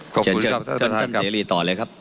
ขอบคุณครับท่านท่านครับ